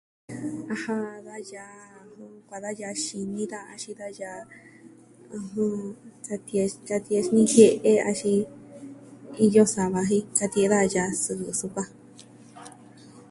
Aja, da yaa kuaa da yaa xini da, axin da yaa. katie'e, katie'e xini jie'e, axin iyo sava jen katie'e daja yaa sɨɨn sukuan.